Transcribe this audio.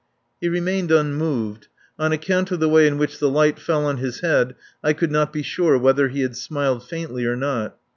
He remained unmoved. On account of the way in which the light fell on his head I could not be sure whether he had smiled faintly or not.